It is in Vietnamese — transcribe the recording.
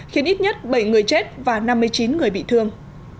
khiến ít nhất bảy người chết và năm mươi chín người bị thương